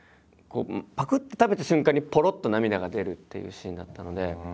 ぱくって食べた瞬間にぽろっと涙が出るっていうシーンだったので。